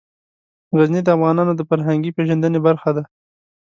غزني د افغانانو د فرهنګي پیژندنې برخه ده.